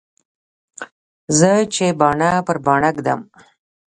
زه چې باڼه پر باڼه ږدم.